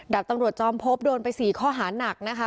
ตำรวจจอมพบโดนไป๔ข้อหานักนะคะ